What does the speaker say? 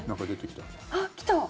あっ、来た！